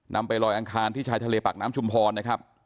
ไปลอยอังคารที่ชายทะเลปากน้ำชุมพรนะครับ